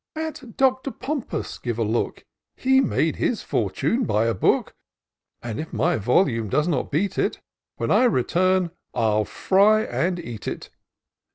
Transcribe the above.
At Doctor Pompous give a look ; He made his fortune by a book ; And if my voliune does not beat it. When I return I'll fry and eat it.